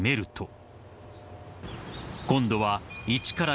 ［今度は］